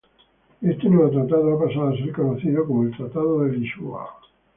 Este nuevo tratado ha pasado a ser conocido como el Tratado de Lisboa.